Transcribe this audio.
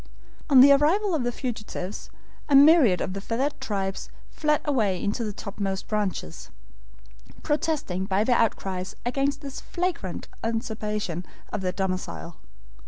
On the arrival of the fugitives a myriad of the feathered tribes fled away into the topmost branches, protesting by their outcries against this flagrant usurpation of their domicile.